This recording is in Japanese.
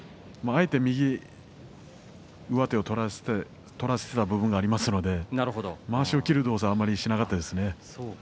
あえて右上手を取らせた部分がありますんでまわしを切る動作をあまりしなかったですね。